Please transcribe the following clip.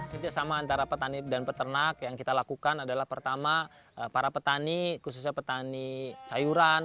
kerjasama antara petani dan peternak yang kita lakukan adalah pertama para petani khususnya petani sayuran